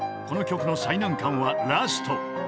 ［この曲の最難関はラスト］